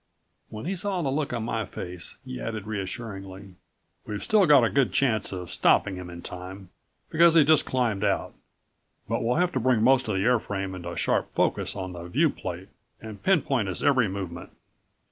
When he saw the look on my face he added reassuringly. "We've still got a good chance of stopping him in time, because he just climbed out. But we'll have to bring most of the airframe into sharp focus on the viewplate, and pinpoint his every movement."